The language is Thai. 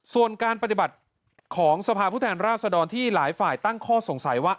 ส่วนการปฏิบัติของสภาพผู้แทนราชดรที่หลายฝ่ายตั้งข้อสงสัยว่า